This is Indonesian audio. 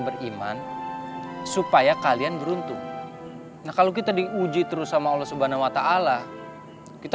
beriman supaya kalian beruntung nah kalau kita diuji terus sama allah swt kita